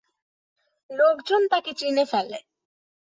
লোকজন তাকে চিনে ফেলে।